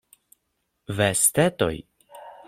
Vestetoj.